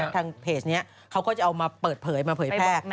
ทางเพจนี้เขาก็จะเอามาเปิดเผยมาเผยแพร่